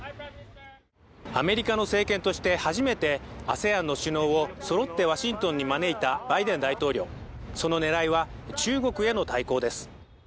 アメリカの政権として初めてＡＳＥＡＮの首脳をそろってワシントンに招いたバイデン大統領そのねらいは中国への対抗です